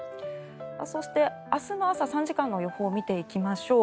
そして、明日の朝３時間の予報を見ていきましょう。